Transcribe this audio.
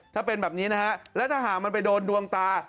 ถ้าเป็นแบบนี้นะฮะแล้วถ้าหากมันไปโดนดวงตา